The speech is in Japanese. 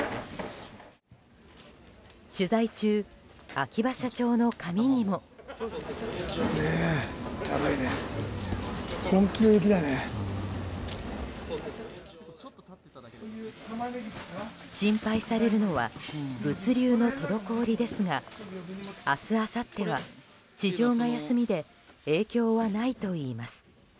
取材中、秋葉社長の髪にも。心配されるのは物流の滞りですが明日、あさっては市場が休みで影響はないといいます。